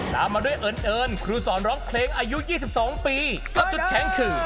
ตามมาด้วยเอิญครูสอนร้องเพลงอายุ๒๒ปีกับจุดแข็งคือ